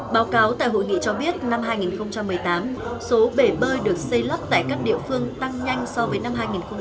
báo cáo tại hội nghị cho biết năm hai nghìn một mươi tám số bể bơi được xây lấp tại các địa phương tăng nhanh so với năm hai nghìn một mươi bảy